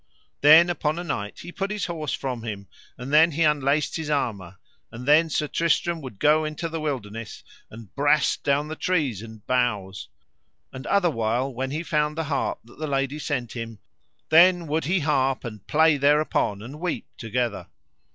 Then upon a night he put his horse from him, and then he unlaced his armour, and then Sir Tristram would go into the wilderness, and brast down the trees and boughs; and otherwhile when he found the harp that the lady sent him, then would he harp, and play thereupon and weep together.